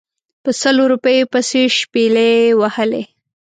په سلو روپیو پسې شپلۍ وهلې.